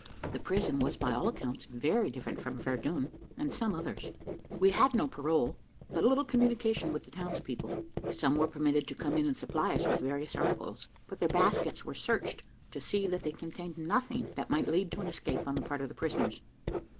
The prison was by all accounts very different from Verdun and some others. We had no parole, and but little communication with the townspeople. Some were permitted to come in and supply us with various articles; but their baskets were searched, to see that they contained nothing that might lead to an escape on the part of the prisoners.